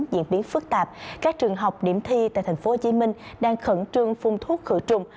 diễn biến phức tạp các trường học điểm thi tại tp hcm đang khẩn trương phun thuốc khử trùng